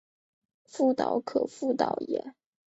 覆辙可复蹈耶？